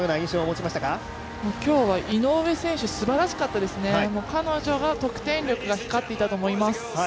今日は井上選手すばらしかったですね、彼女が、得点力が光っていたと思います。